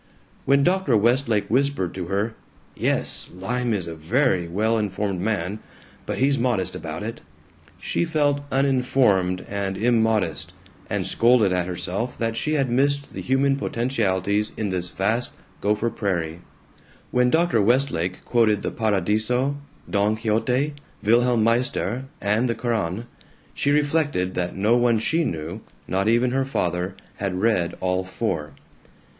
When Dr. Westlake whispered to her, "Yes, Lym is a very well informed man, but he's modest about it," she felt uninformed and immodest, and scolded at herself that she had missed the human potentialities in this vast Gopher Prairie. When Dr. Westlake quoted the "Paradiso," "Don Quixote," "Wilhelm Meister," and the Koran, she reflected that no one she knew, not even her father, had read all four.